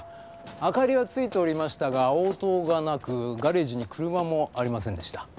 明かりはついておりましたが応答がなくガレージに車もありませんでした。